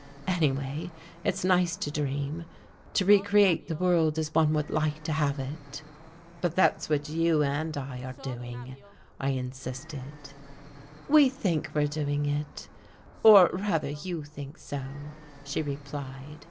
Anyway, it's nice to dream, to recreate the world as one would like to have it." "But that's what you and I are doing," I insisted. "We think we're doing it or rather you think so," she replied.